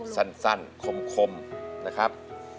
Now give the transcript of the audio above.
สั้นคมนะครับ